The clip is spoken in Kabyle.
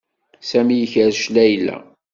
Sami ikerrec Layla.